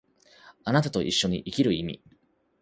貴方と一緒に生きる人